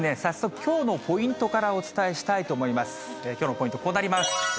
きょうのポイント、こうなります。